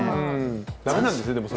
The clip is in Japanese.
駄目なんですね？